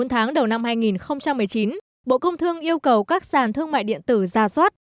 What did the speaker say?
bốn tháng đầu năm hai nghìn một mươi chín bộ công thương yêu cầu các sàn thương mại điện tử ra soát